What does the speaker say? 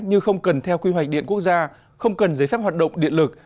như không cần theo quy hoạch điện quốc gia không cần giấy phép hoạt động điện lực